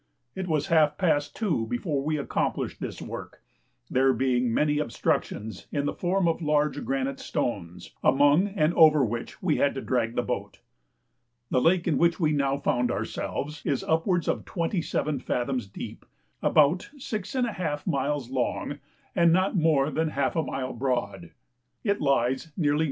It was half past 2 before we accomplished this work, there being many obstructions in the form of large granite stones, among and over which we had to drag the boat. The lake in which we now found ourselves is upwards of 27 fathoms deep, about 6½ miles long, and not more than half a mile broad; it lies nearly N.